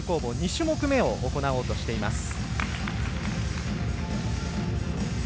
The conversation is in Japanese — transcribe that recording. ２種目めを行おうとしています。